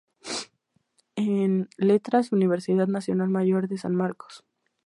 En: Letras, Universidad Nacional Mayor de San Marcos, No.